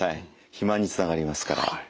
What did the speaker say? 肥満につながりますから。